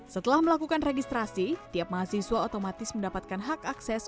setelah melakukan registrasi tiap mahasiswa otomatis mendapatkan hak akses